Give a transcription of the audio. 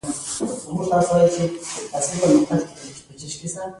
څنګه څوک له دې قدرته ګټه واخیستلای شي